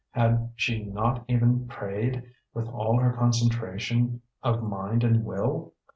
Had she not even prayed, with all her concentration of mind and will?